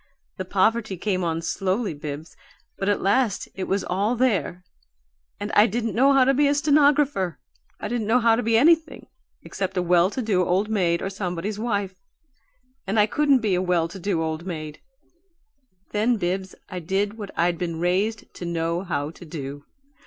The poverty came on slowly, Bibbs, but at last it was all there and I didn't know how to be a stenographer. I didn't know how to be anything except a well to do old maid or somebody's wife and I couldn't be a well to do old maid. Then, Bibbs, I did what I'd been raised to know how to do.